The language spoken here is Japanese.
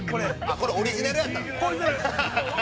◆これ、オリジナルやったんですか。